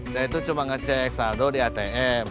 saya itu cuma ngecek saldo di atm